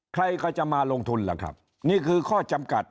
ใครก็จะมาลงทุนล่ะครับนี่คือข้อจำกัด